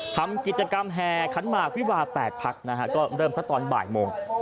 ทำกิจกรรมแห่ขันหมากวิบา๘พักนะฮะก็เริ่มสักตอนบ่ายโมง